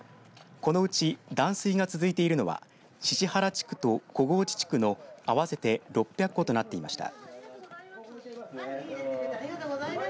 このうち断水が続いているのは宍原地区と小河内地区の合わせて６００戸となっていました。